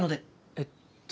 えっと？